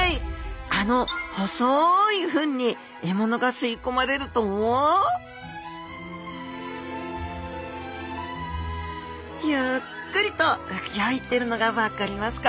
あの細い吻に獲物が吸い込まれるとゆっくりとうギョいてるのが分かりますか？